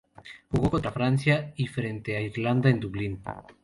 Jugó contra Francia y frente a Irlanda, en Dublín.